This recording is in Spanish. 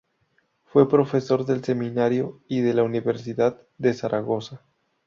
Fue profesor del seminario y de la universidad de Zaragoza.